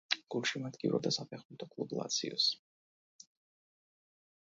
გულშემატკივრობდა საფეხბურთო კლუბ ლაციოს.